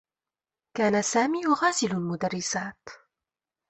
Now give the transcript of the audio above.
كان سامي يغازل المدرّسات.